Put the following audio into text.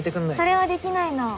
それはできないの。